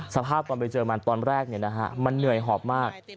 สภาพตอนไปเจอมันตอนแรกมันเหนื่อยหอบมาก